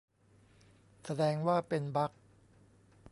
แสดงว่าเป็นบั๊ก !